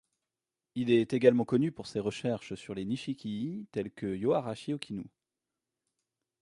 Il est également connu pour ses recherches sur les Nishiki-e telles que Yoarashi Okinu.